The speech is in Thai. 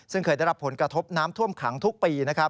ซึ่งเคยได้รับผลกระทบน้ำท่วมขังทุกปีนะครับ